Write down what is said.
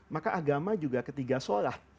maka agama juga ketiga sholat